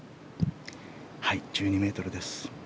はい、１２ｍです。